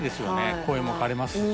声もかれますし。